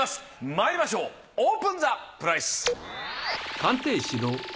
まいりましょうオープンザプライス！